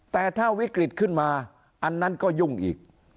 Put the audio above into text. แต่ถ้าวิกฤตขึ้นมาอันนั้นก็ยุ่งอีก